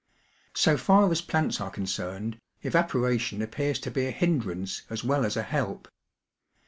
So far as plants are concerned, evaporation appears to be a hindrance as well as a help.